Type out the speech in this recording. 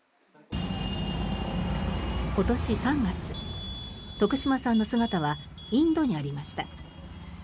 今年３月、徳島さんの姿はインドにありました。